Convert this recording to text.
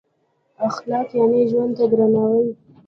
اخلاق یعنې ژوند ته درناوی.